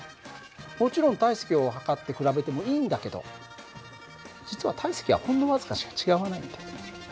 もちろん体積を測って比べてもいいんだけど実は体積はほんの僅かしか違わないんだよ。